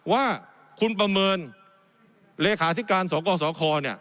ว่าคุณประเมินเลขาอธิการสวกรสวคร